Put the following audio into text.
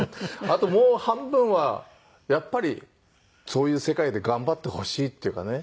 あともう半分はやっぱりそういう世界で頑張ってほしいっていうかね。